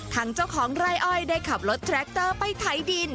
ทางเจ้าของไร่อ้อยได้ขับรถแทรคเตอร์ไปไถดิน